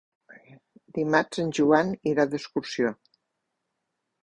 Dimarts en Joan irà d'excursió.